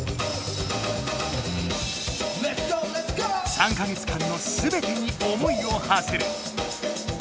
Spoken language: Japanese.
３か月間のすべてに思いをはせる。